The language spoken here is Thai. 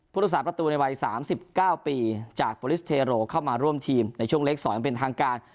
รักษาประตูในวัย๓๙ปีจากโปรลิสเทโรเข้ามาร่วมทีมในช่วงเล็ก๒เป็นทางการ